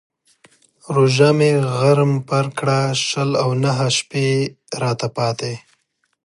روژه مې غرم پر کړه شل او نهه شپې راته پاتې.